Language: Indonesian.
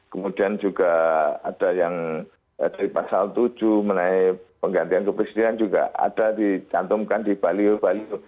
kemudian juga ada yang dari pasal tujuh menai penggantian kepresidenan juga ada dicantumkan di bali bali